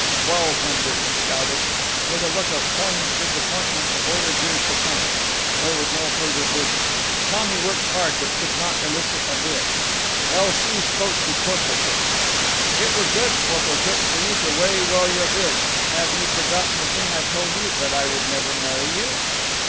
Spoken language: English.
"Twelve hundred!" he shouted. With a look of poignant disappointment, the voyageur succumbed. There was no further bidding. Tommy worked hard, but could not elicit a bid. El Soo spoke to Porportuk. "It were good, Porportuk, for you to weigh well your bid. Have you forgotten the thing I told you—that I would never marry you!"